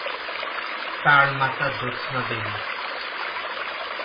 তার মাতা জ্যোৎস্না দেবী।